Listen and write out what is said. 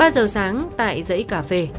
ba giờ sáng tại giấy cà phê